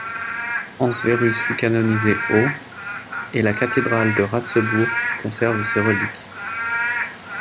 Ansverus fut canonisé au et la cathédrale de Ratzebourg conserve ses reliques.